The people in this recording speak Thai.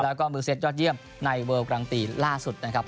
แล้วก็มือเซ็ตยอดเยี่ยมในเวิลกลางปีล่าสุดนะครับ